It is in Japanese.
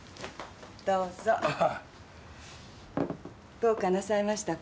どうかなさいましたか？